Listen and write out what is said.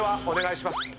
お願いします！